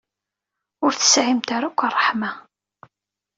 Ur tesɛimt ara akk ṛṛeḥma.